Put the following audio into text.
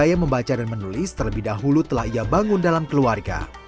saya membaca dan menulis terlebih dahulu telah ia bangun dalam keluarga